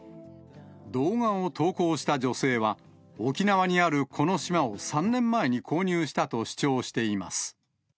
動画を投稿した女性は、沖縄にあるこの島を３年前に購入したと主張しています。